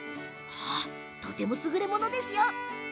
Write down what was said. とてもすぐれものですよ。